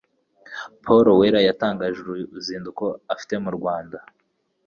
Paul Weller yatangaje uruzinduko afite murwanda